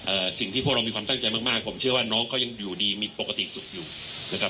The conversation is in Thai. สิ่งที่พวกเรามีความตั้งใจมากมากผมเชื่อว่าน้องเขายังอยู่ดีมีปกติสุขอยู่นะครับ